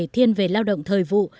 thiên về lao động thời vụ